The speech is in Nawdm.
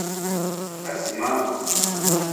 Asimaa.